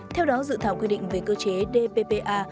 theo đó dự thảo quy định về cơ chế dppa